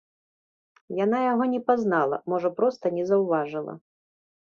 Яна яго не пазнала, можа, проста не заўважыла.